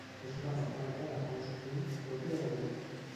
És una paparra de cos dur pròpia d'Europa.